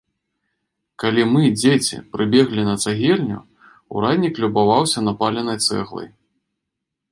Калі мы, дзеці, прыбеглі на цагельню, ураднік любаваўся напаленай цэглай.